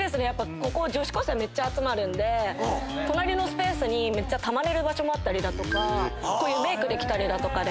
ここ女子高生がめっちゃ集まるんで隣のスペースにたまれる場所もあったりだとかこういうメークできたりだとか。